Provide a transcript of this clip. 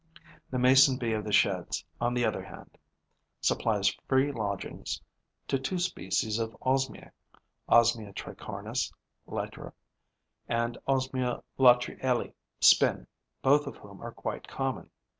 The Mason bee of the Sheds, on the other hand, supplies free lodgings to two species of Osmiae, Osmia tricornis, LATR., and Osmia Latreillii, SPIN., both of whom are quite common.